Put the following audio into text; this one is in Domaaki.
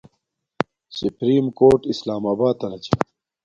سیپرم کوٹ اسلام آباتنا چھا